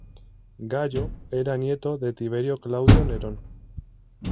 Gayo era nieto de Tiberio Claudio Nerón.